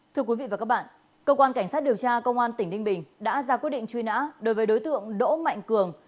thưa quý vị và các bạn cơ quan cảnh sát điều tra công an tỉnh ninh bình đã ra quyết định truy nã đối với đối tượng đỗ mạnh cường